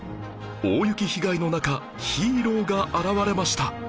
大雪被害の中ヒーローが現れました